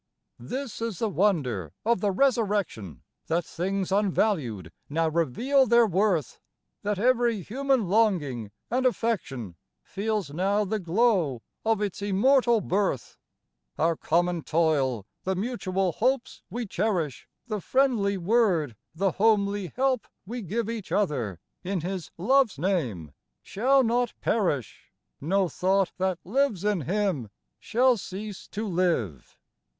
This is the wonder of the Resurrection ;— That things unvalued now reveal their worth ; (10) THE DAY OF JOY II That every human longing and affection Feels now the glow of its immortal birth. Our common toil, the mutual hopes we cherish, The friendly word, the homely help we give Each other in His love's name, shall not perish ; No thought that lives in Him shall cease to live.